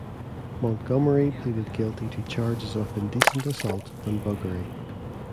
Montgomery pleaded guilty to charges of indecent assault and buggery.